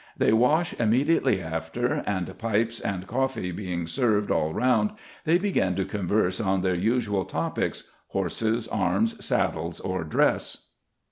They wash immediately after, and pipes and coffee being served all round, they begin to converse on their usual topics, horses, arms, saddles, or dress.